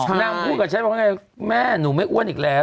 นางพูดกับฉันว่าไงแม่หนูไม่อ้วนอีกแล้ว